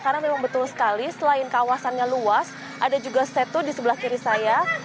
karena memang betul sekali selain kawasannya luas ada juga setu di sebelah kiri saya